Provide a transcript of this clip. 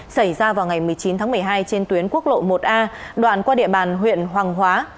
xảy ra vào ngày một mươi chín tháng một mươi hai trên tuyến quốc lộ một a đoạn qua địa bàn huyện hoàng hóa